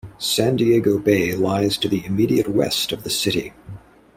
San Diego Bay lies to the immediate west of the city.